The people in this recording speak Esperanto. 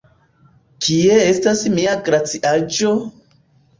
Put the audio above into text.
Kie estas mia glaciaĵo?